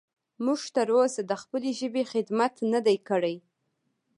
موږ تر اوسه د خپلې ژبې خدمت نه دی کړی.